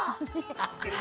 アハハハ。